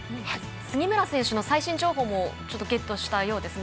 杉村選手の最新情報もゲットしたようですね